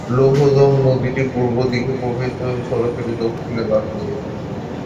লৌহজং নদীটি পূর্ব দিকে প্রবাহিত হয়ে সরাসরি দক্ষিণে বাঁক নিয়েছে।